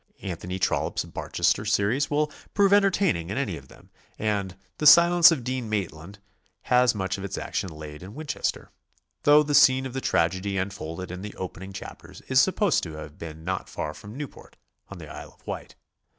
Anthony Trollope's Barchester se ries will prove entertaining in any of them, and "The Silence of Dean Maitland" has much of its action laid in Winchester, though the scene of the tragedy unfolded in the opening chapters is supposed to have been not far from Newport on the Isle of Wight.